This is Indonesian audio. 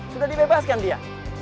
sudah dibebaskan dia